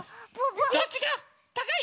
どっちがたかい？